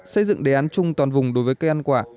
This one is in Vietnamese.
xây dựng đề án chung toàn vùng đối với cây ăn quả